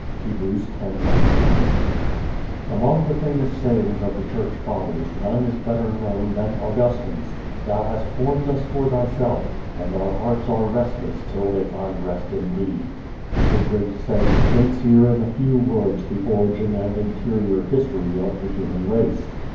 Heb. 10:19 Among the famous sayings of the Church fathers none is better known than Augustine's, "Thou hast formed us for Thyself, and our hearts are restless till they find rest in Thee." The great saint states here in few words the origin and interior history of the human race.